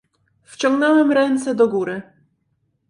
"Wyciągnąłem ręce do góry."